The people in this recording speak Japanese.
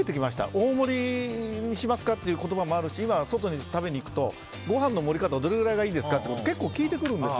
大盛りにしますかっていう言葉もあるし今は外に食べに行くとごはんの盛り方はどのぐらいがいいですかって結構、聞いてくるんですよ。